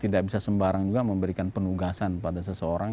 tidak bisa sembarang juga memberikan penugasan pada seseorang